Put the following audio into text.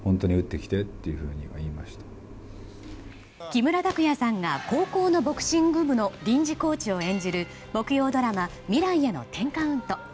木村拓哉さんが高校のボクシング部の臨時コーチを演じる木曜ドラマ「未来への１０カウント」。